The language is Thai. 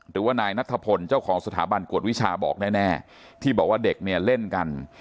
หรือว่านายนัทธพลเจ้าของสถาบันกวดวิชาบอกแน่ที่บอกว่าเด็กเนี่ยเล่นกัน